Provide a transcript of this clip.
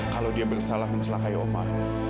kalau dia bersalah mencelakai oma